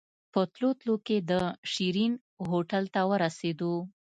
په تلو تلو کې د شيرين هوټل ته ورسېدو.